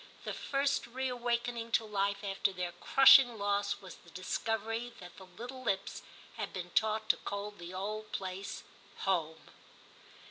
The first reawaken ing to life after their crushing loss was the discovery that the little lips had been taught to call the old place *home.'